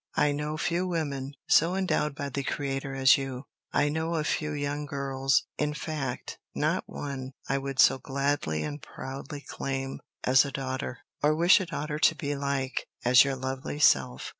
I know few women so endowed by the Creator as you. I know of few young girls in fact, not one I would so gladly and proudly claim as a daughter, or wish a daughter to be like, as your lovely self.